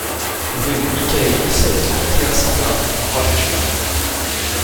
Rue Michaëlis, trente et un, cent vingt Roques